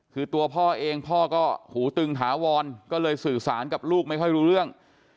คือตัวพ่อเองพ่อก็หูตึงถาวรก็เลยสื่อสารกับลูกไม่ค่อยรู้เรื่อง